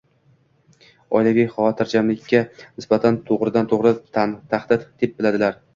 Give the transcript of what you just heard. oilaviy xotirjamlikka nisbatan to‘g‘ridan-to‘g‘ri tahdid deb biladilar.